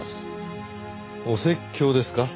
お説教ですか？